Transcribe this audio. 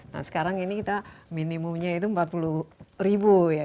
nah sekarang ini kita minimumnya itu empat puluh ribu ya